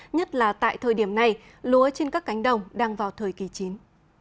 nhất là tại thời điểm này lúa trên các cánh đồng đang vào thời kỳ chín